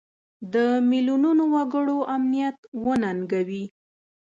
د میلیونونو وګړو امنیت وننګوي.